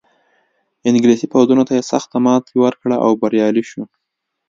انګلیسي پوځونو ته یې سخته ماتې ورکړه او بریالی شو.